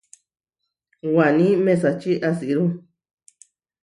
Waní mesačí asirú.